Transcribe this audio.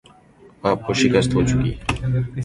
آپ کو شکست ہوچکی ہے